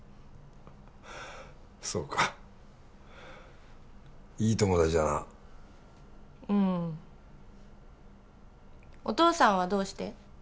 そうかいい友達だなうんお父さんはどうして？